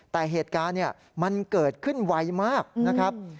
แต่เหตุการณ์มันเกิดขึ้นไวมากนะครับ